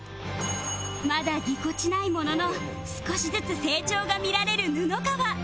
まだぎこちないものの少しずつ成長が見られる布川